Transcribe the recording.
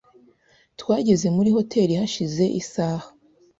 Twageze muri hoteri hashize isaha .